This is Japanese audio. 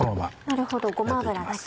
なるほどごま油だけ。